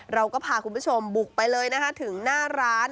เราก็พาคุณผู้ชมบุกไปเลยนะคะถึงหน้าร้าน